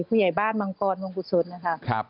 ผู้ใหญ่บ้านมังกรมกุศลนะคะ